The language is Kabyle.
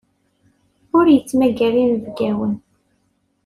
Ur yettmagar inebgawen.